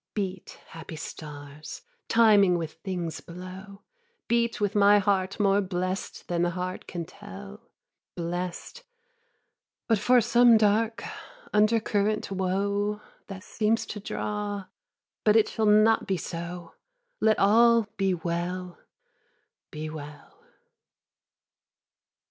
Beat, happy stars, timing with things below, Beat with my heart more blest than heart can tell, Blest, but for some dark undercurrent woe That seems to draw but it shall not be so: Let all be well, be well.